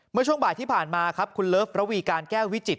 เมื่อช่วงบ่ายที่ผ่านมาครับคุณเลิฟระวีการแก้ววิจิต